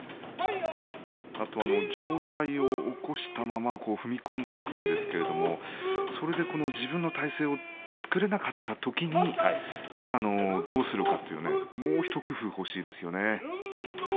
あとは上体を起こしたまま踏み込んでいくんですけどもそれで自分の体勢を作れなかったときにどうするかというもう一工夫、欲しいところですね。